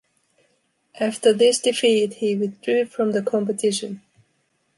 After this defeat, he withdrew from the competition.